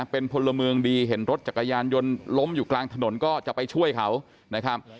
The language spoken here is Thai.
เป็นพลเมืองดีเห็นรถจักรยานยนต์ล้มอยู่กลางถนนก็จะไปช่วยเขานะครับ